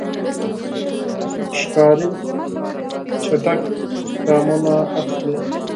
ښکاري تېز ګامونه اخلي.